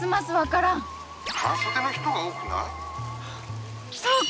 半そでの人が多くない？